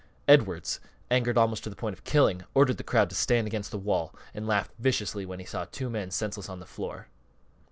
Edwards, angered almost to the point of killing, ordered the crowd to stand against the wall, and laughed viciously when he saw two men senseless on the floor.